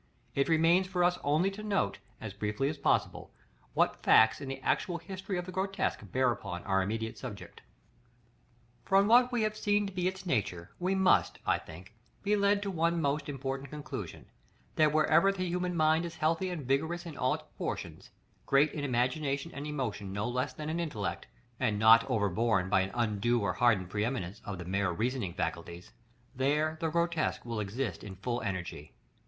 It remains for us only to note, as briefly as possible, what facts in the actual history of the grotesque bear upon our immediate subject. From what we have seen to be its nature, we must, I think, be led to one most important conclusion; that wherever the human mind is healthy and vigorous in all its proportions, great in imagination and emotion no less than in intellect, and not overborne by an undue or hardened preëminence of the mere reasoning faculties, there the grotesque will exist in full energy.